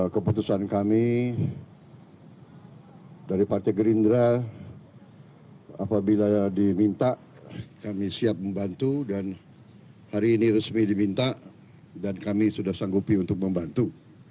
keputusan kami dari partai gerindra apabila diminta kami siap membantu dan hari ini resmi diminta dan kami sudah sanggupi untuk membantu